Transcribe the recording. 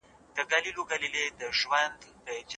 چې په پښتنو دې ځانونه نه ستړي کوي.